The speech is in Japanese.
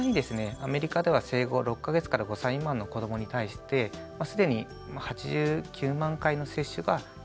アメリカでは生後６か月５歳未満の子どもに対して既に８９万回の接種が実施されています。